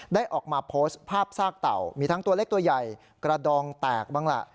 ได้ออกมาโพสต์ภาพซากเต่ามีทั้งตัวเล็กตัวใหญ่กระดองแตกบ้างล่ะ